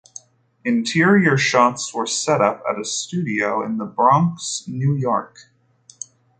Interior shots were set up at a studio in the Bronx, New York.